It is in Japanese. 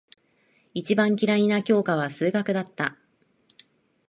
一番嫌いな教科は数学だった。